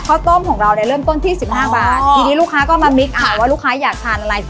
ข้าวต้มของเราเนี่ยเริ่มต้นที่๑๕บาททีนี้ลูกค้าก็มามิกค่ะว่าลูกค้าอยากทานอะไร